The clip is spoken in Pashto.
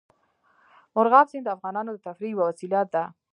مورغاب سیند د افغانانو د تفریح یوه وسیله ده.